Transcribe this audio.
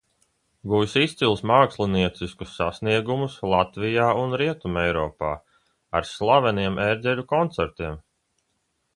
Guvis izcilus mākslinieciskus sasniegumus Latvijā un Rietumeiropā ar slaveniem ērģeļu koncertiem.